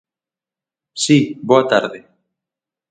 Si, boa tarde.